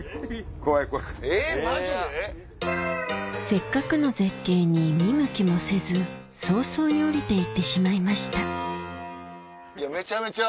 せっかくの絶景に見向きもせず早々に下りて行ってしまいましたいやめちゃめちゃ。